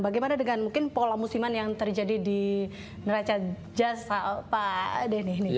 bagaimana dengan mungkin pola musiman yang terjadi di neraca jas pak denny ini